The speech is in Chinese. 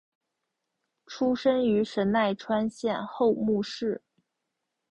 出身于神奈川县厚木市。